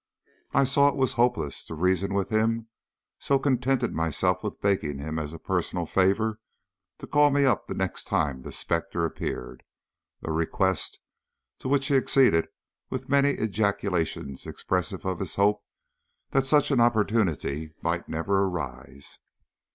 I saw it was hopeless to reason with him, so contented myself with begging him as a personal favour to call me up the next time the spectre appeared a request to which he acceded with many ejaculations expressive of his hopes that such an opportunity might never arise.